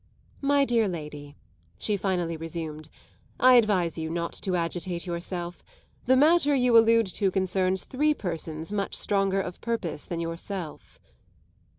"My dear lady," she finally resumed, "I advise you not to agitate yourself. The matter you allude to concerns three persons much stronger of purpose than yourself."